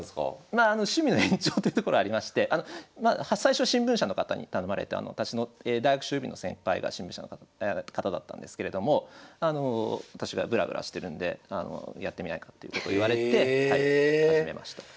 まあ趣味の延長というところありまして最初新聞社の方に頼まれて私の大学将棋の先輩が新聞社の方だったんですけれども私がブラブラしてるんでやってみないかということを言われて始めました。